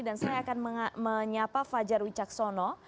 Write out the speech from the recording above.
dan saya akan menyapa fajar wicaksono